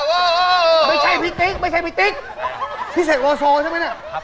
เดี๋ยวจะมีคดีใหม่ฮะคดีอะไรฮะ